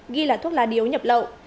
ghi là thuốc lá điếu nhập lậu